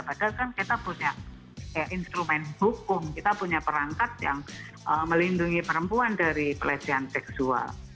padahal kan kita punya instrumen hukum kita punya perangkat yang melindungi perempuan dari pelecehan seksual